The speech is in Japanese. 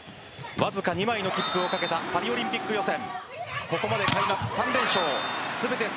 わずか２枚の切符を懸けたパリオリンピック予選。